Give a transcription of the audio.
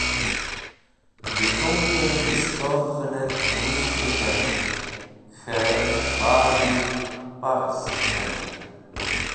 Dẽ s̃hungẽ wẽstodhẽnẽt Kẽrish vitẽ k̃hẽ bari paghz remet.